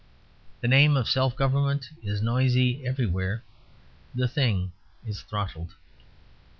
The name of self government is noisy everywhere: the Thing is throttled.